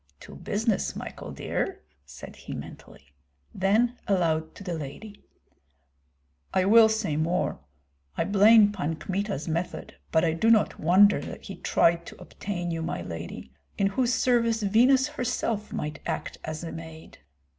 "To business, Michael dear!" said he, mentally. Then aloud to the lady: "I will say more: I blame Pan Kmita's method, but I do not wonder that he tried to obtain you, my lady, in whose service Venus herself might act as a maid.